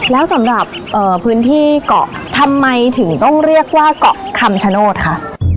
แล้วสำหรับพื้นที่เกาะทำไมถึงต้องเรียกว่าเกาะคำชโนธคะ